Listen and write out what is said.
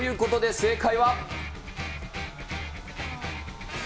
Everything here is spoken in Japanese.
正解は。